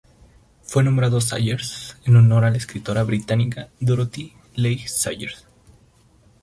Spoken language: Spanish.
Fue nombrado Sayers en honor a la escritora británica Dorothy Leigh Sayers.